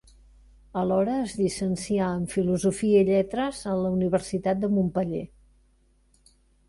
Alhora es llicencià en Filosofia i Lletres en la Universitat de Montpeller.